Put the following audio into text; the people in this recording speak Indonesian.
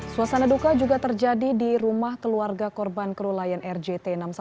suasana duka juga terjadi di rumah keluarga korban kerulayan rjt enam ratus sepuluh